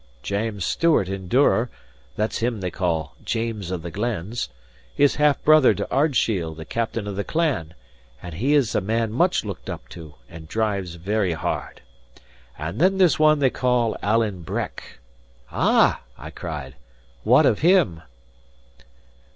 James Stewart in Duror (that's him they call James of the Glens) is half brother to Ardshiel, the captain of the clan; and he is a man much looked up to, and drives very hard. And then there's one they call Alan Breck " "Ah!" I cried, "what of him?"